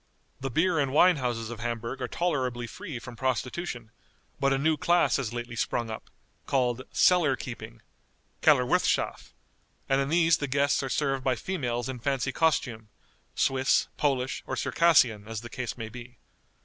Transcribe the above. The beer and wine houses of Hamburg are tolerably free from prostitution; but a new class has lately sprung up, called "cellar keeping" (kellerwirthschaff), and in these the guests are served by females in fancy costume, Swiss, Polish, or Circassian, as the case may be.